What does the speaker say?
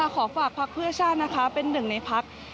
ขอฝากพักเพื่อชาตินะคะเป็นหนึ่งในพัก